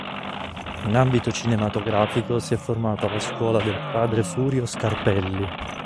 In ambito cinematografico si è formato alla "scuola" del padre Furio Scarpelli.